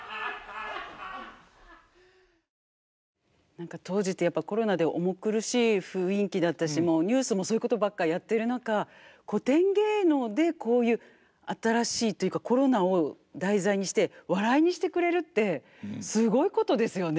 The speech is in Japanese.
何か当時ってやっぱコロナで重苦しい雰囲気だったしニュースもそういうことばっかりやってる中古典芸能でこういう新しいというかコロナを題材にして笑いにしてくれるってすごいことですよね。